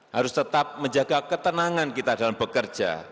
harus tetap menjaga ketenangan kita dalam bekerja